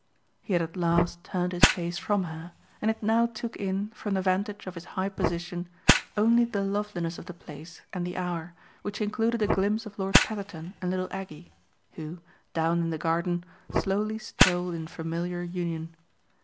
He had at last turned his face from her, and it now took in, from the vantage of his high position, only the loveliness of the place and the hour, which included a glimpse of Lord Petherton and little Aggie, who, down in the garden, slowly strolled in familiar union.